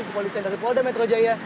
kepolisian dari polda metro jaya